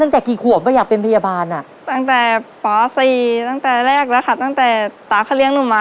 ตั้งแต่แรกแล้วค่ะตั้งแต่ตาร์เขาเหรี้ยงหนูมา